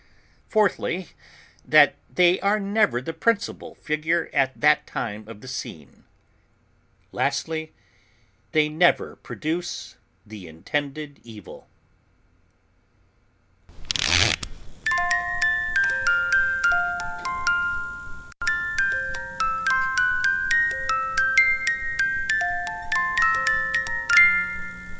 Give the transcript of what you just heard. Fourthly, that they are never the principal figure at that time on the scene: and, lastly, they never produce the intended evil.